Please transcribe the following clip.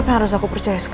baik pak terima kasih